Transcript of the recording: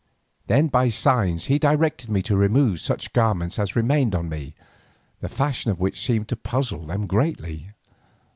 Then by signs he directed me to remove such garments as remained on me, the fashion of which seemed to puzzle them greatly.